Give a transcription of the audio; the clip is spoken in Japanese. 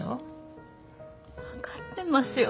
分かってますよ